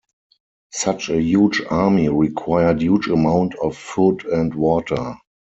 Such a huge army required huge amount of food and water.